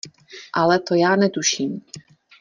Ale to já netuším.